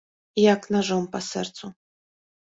Як нажом па сэрцу.